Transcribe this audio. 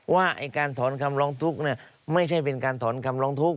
ว่าการถอนคำร้องทุกข์ไม่ใช่เป็นการถอนคำร้องทุกข